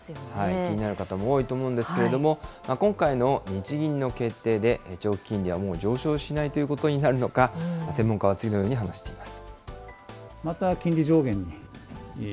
気になる方も多いと思うんですけれども、今回の日銀の決定で、長期金利はもう上昇しないということになるのか、専門家は次のように話しています。